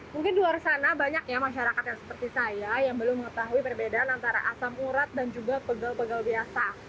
mungkin di luar sana banyak ya masyarakat yang seperti saya yang belum mengetahui perbedaan antara asam urat dan juga pegel pegal biasa